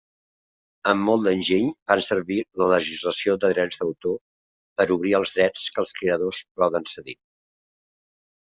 Amb molt d'enginy fan servir la legislació de drets d'autor per obrir els drets que els creadors poden cedir.